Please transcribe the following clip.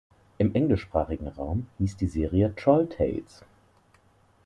Im englischsprachigen Raum hieß die Serie "Troll Tales".